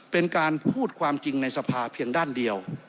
เป็นการพูดความจริงในสภาเพียงด้านเดียว